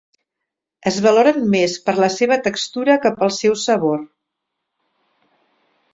Es valoren més per la seva textura que pel seu sabor.